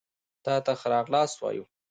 تاته ښه راغلاست وايو